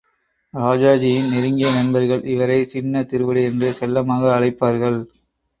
ராஜாஜியின் நெருங்கிய நண்பர்கள் இவரை சின்ன திருவடி என்று செல்லமாக அழைப்பார்கள்.